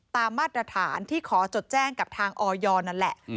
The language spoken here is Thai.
มาตรฐานที่ขอจดแจ้งกับทางออยนั่นแหละ